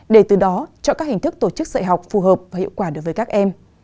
để từ đó chọn các hình thức tổ chức dạy học phù hợp và hiệu quả đối với các em